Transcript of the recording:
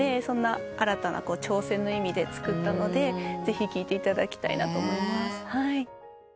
そんな新たな挑戦の意味で作ったのでぜひ聴いていただきたいなと思います。